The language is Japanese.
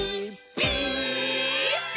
ピース！」